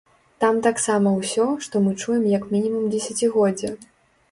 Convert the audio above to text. Там таксама ўсё, што мы чуем як мінімум дзесяцігоддзе.